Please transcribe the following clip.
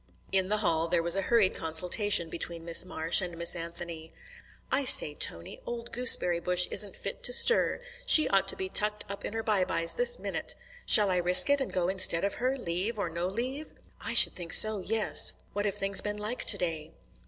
In the hall there was a hurried consultation between Miss Marsh and Miss Anthony. "I say, Tony, old Gooseberry bush isn't fit to stir. She ought to be tucked up in her bye byes this minute. Shall I risk it, and go instead of her, leave or no leave?" "I should think so, yes. What have things been like today?"